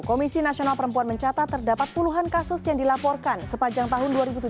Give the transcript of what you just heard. komisi nasional perempuan mencatat terdapat puluhan kasus yang dilaporkan sepanjang tahun dua ribu tujuh belas